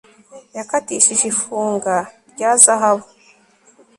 Yakatishije ifunga rya zahabu